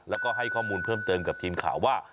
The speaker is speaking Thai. แล้วก็ให้ข้อมูลเพิ่มเติมกับทีมข่าวว่า